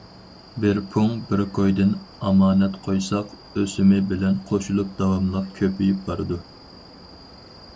بىر پۇڭ، بىر كويدىن ئامانەت قويساق، ئۆسۈمى بىلەن قوشۇلۇپ داۋاملىق كۆپىيىپ بارىدۇ.